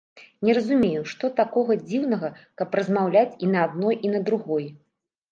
Не разумею, што такога дзіўнага, каб размаўляць і на адной, і на другой.